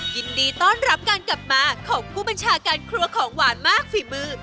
ยินดีต้อนรับการกลับมาของผู้บัญชาการครัวของหวานมากฝีมือ